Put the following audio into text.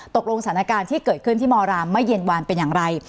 ตกลงสถานการณ์ที่เกิดขึ้นที่มรามเมื่อเย็นวานเป็นอย่างไร